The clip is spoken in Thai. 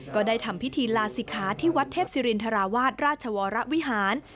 ก็ได้ทำพิธีลาศิกขาที่วัดเทพศิรินทราวาสราชวรวิหาร